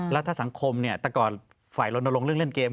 แล้วถ้าสังคมตะกรฝ่ายลงเรื่องเล่นเกม